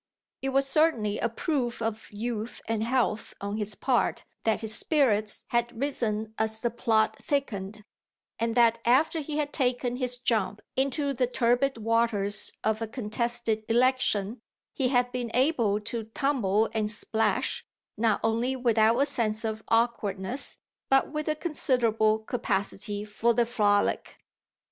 It was certainly a proof of youth and health on his part that his spirits had risen as the plot thickened and that after he had taken his jump into the turbid waters of a contested election he had been able to tumble and splash not only without a sense of awkwardness but with a considerable capacity for the frolic.